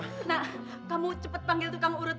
nah kamu cepet panggil tuh kamu urut